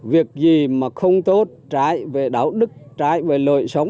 việc gì mà không tốt trái về đạo đức trái về lợi sống